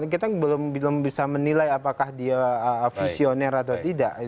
kita belum bisa menilai apakah dia visioner atau tidak